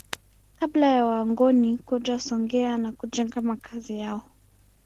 Kabla ya Wangoni kuja Songea na kujenga Makazi yao